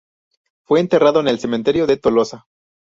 Fue enterrado en el cementerio de Tolosa.